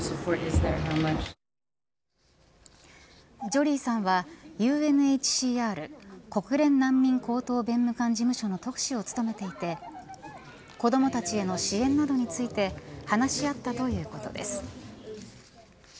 ジョリーさんはＵＮＨＣＲ国連難民高等弁務官事務所の特使を務めていて子どもたちへの支援などについて話し合ったということです。